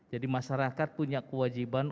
jadi masyarakat punya kewajiban